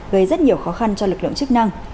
gây rất nhiều khó khăn cho lực lượng chức năng